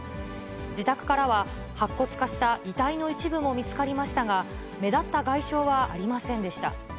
自宅からは、白骨化した遺体の一部も見つかりましたが、目立った外傷はありませんでした。